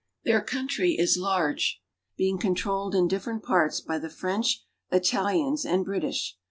Their ^ country is large, being controlled in different parts by the French, Italians, and British.